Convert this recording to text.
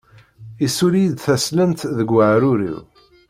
Issuli-yi-d taslent deg waɛrur-iw.